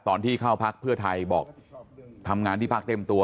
ตอนที่เข้าพักเพื่อไทยบอกทำงานที่พักเต็มตัว